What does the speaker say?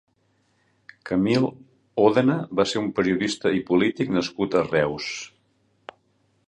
Camil Òdena va ser un periodista i polític nascut a Reus.